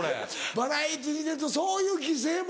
バラエティーに出るとそういう犠牲も。